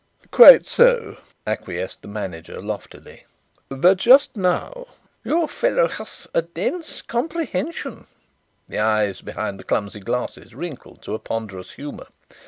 "Quite so," acquiesced the manager loftily, "but just now " "Your fellow was dense of comprehension." The eyes behind the clumsy glasses wrinkled to a ponderous humour.